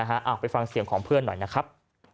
เอาไปฟังเสียงของเพื่อนหน่อยนะครับ